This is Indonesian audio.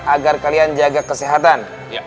agar kalian jaga kesehatan